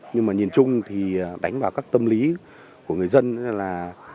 nhưng mà nhìn chung thì đánh vào các tâm lý của người dân là